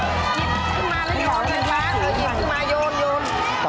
หยิบขึ้นมาแล้วหยิบขึ้นมาโยน